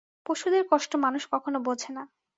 পশুদের কষ্ট মানুষ কখনো বোঝে না।